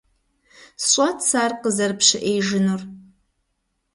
СщӀат сэ ар къызэрыпщыӀеижынур.